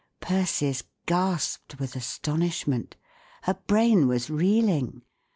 Persis gasped with astonishment Her brain was reeling.